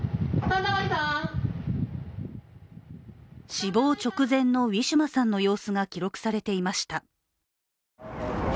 死亡直前のウィシュマさんの様子が記録されていました。